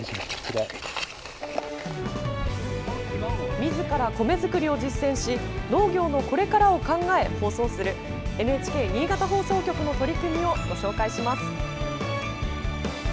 みずから米作りを実践し農業のこれからを考え放送するＮＨＫ新潟放送局の取り組みをご紹介します。